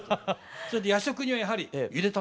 それで夜食にはやはりゆで卵。